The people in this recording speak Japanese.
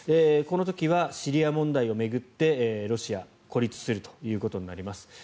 この時はシリア問題を巡ってロシア、孤立するということになります。